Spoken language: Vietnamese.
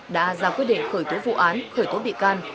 đã ra quyết định khởi tố vụ án khởi tố bị can